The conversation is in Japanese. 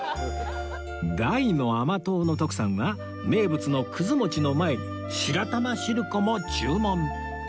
大の甘党の徳さんは名物のくず餅の前に白玉しるこも注文